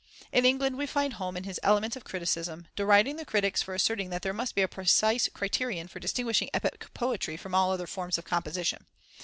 In England we find Home in his Elements of Criticism deriding the critics for asserting that there must be a precise criterion for distinguishing epic poetry from all other forms of composition.